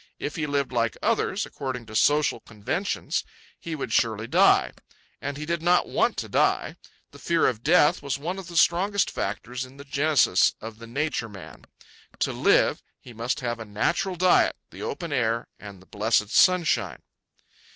If he lived like others, according to social conventions, he would surely die. And he did not want to die. The fear of death was one of the strongest factors in the genesis of the Nature Man. To live, he must have a natural diet, the open air, and the blessed sunshine.